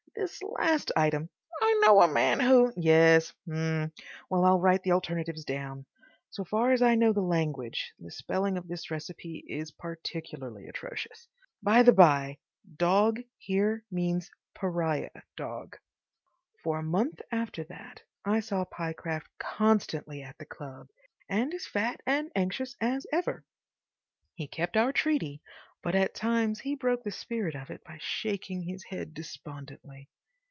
This last item—" "I know a man who—" "Yes. H'm. Well, I'll write the alternatives down. So far as I know the language, the spelling of this recipe is particularly atrocious. By the bye, dog here probably means pariah dog." For a month after that I saw Pyecraft constantly at the club and as fat and anxious as ever. He kept our treaty, but at times he broke the spirit of it by shaking his head despondently.